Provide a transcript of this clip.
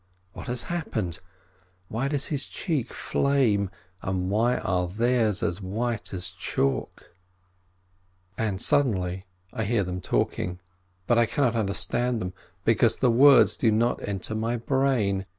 What has happened? Why does his cheek flame, and why are theirs as white as chalk ? And suddenly I hear them talking, but I cannot understand them, because the words do not enter my brain.